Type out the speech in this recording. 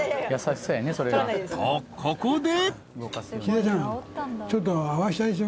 ［とここで］